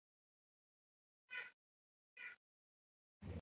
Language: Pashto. دا عوامل موږ سره د عوایدو د نابرابرۍ په پوهه کې مرسته کوي